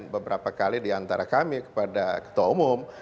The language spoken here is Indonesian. beberapa kali diantara kami kepada ketua umum